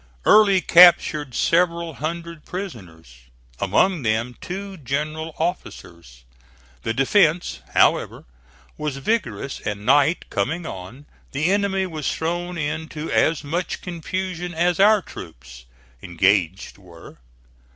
Early captured several hundred prisoners, among them two general officers. The defence, however, was vigorous; and night coming on, the enemy was thrown into as much confusion as our troops, engaged, were.